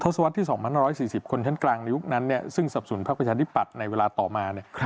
ศวรรษที่๒๑๔๐คนชั้นกลางในยุคนั้นซึ่งสับสนพักประชาธิปัตย์ในเวลาต่อมาเนี่ย